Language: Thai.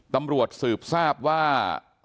ตำรวจสืบทราบว่า